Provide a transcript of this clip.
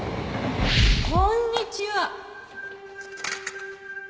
こんにちは。